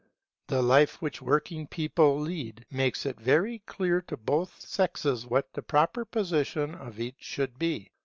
The life which working people lead makes it very clear to both sexes what the proper position of each should be.